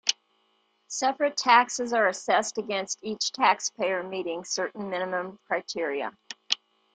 Separate taxes are assessed against each taxpayer meeting certain minimum criteria.